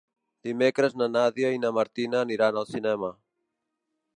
Dimecres na Nàdia i na Martina aniran al cinema.